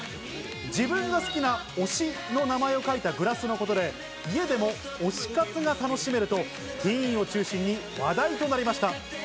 自分が好きな推しの名前を書いたグラスのことで、家でも推し活が楽しめると、ティーンを中心に話題となりました。